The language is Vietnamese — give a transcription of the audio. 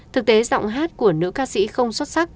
thực tế giọng hát của nữ ca sĩ không xuất sắc